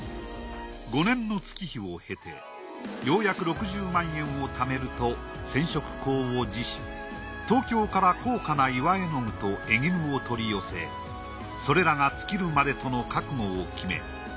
５年の月日をへてようやく６０万円をためると染色工を辞し東京から高価な岩絵の具と絵絹を取り寄せそれらが尽きるまでとの覚悟を決め